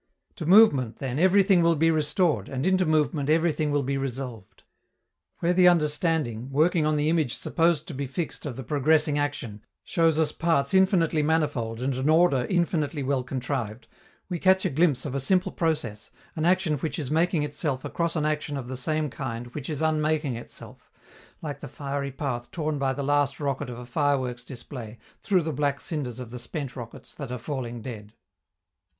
To movement, then, everything will be restored, and into movement everything will be resolved. Where the understanding, working on the image supposed to be fixed of the progressing action, shows us parts infinitely manifold and an order infinitely well contrived, we catch a glimpse of a simple process, an action which is making itself across an action of the same kind which is unmaking itself, like the fiery path torn by the last rocket of a fireworks display through the black cinders of the spent rockets that are falling dead.